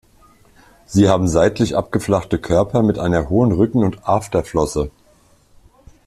Sie haben seitlich abgeflachte Körper mit einer hohen Rücken- und Afterflosse.